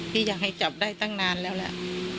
อยากให้จับได้ตั้งนานแล้วแหละ